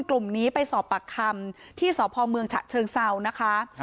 กลุ่มนี้ไปสอบปากคำที่สพเชิงเศร้านะคะ